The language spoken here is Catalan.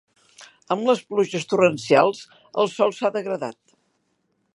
Amb les pluges torrencials el sòl s'ha degradat.